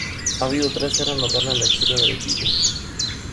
Ha habido tres eras notables en la historia del equipo.